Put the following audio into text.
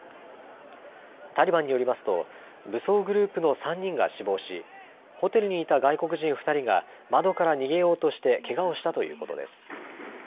タリバンによりますと武装グループの３人が死亡し、ホテルにいた外国人２人が窓から逃げようとしてけがをしたということです。